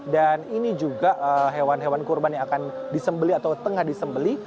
dan ini juga hewan hewan kurban yang akan disembeli atau tengah disembeli